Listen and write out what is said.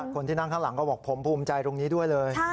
คนที่นั่งข้างหลังก็บอกผมภูมิใจตรงนี้ด้วยเลย